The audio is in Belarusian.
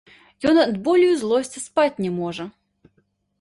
Ён ад болю і злосці спаць не можа.